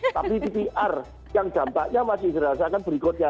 tapi di pr yang dampaknya masih dirasakan berikutnya